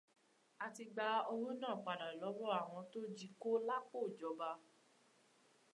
A ti gba owó náà padà lọ́wọ́ àwọn tó ji kó lápò ìjọba.